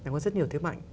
có rất nhiều thế mạnh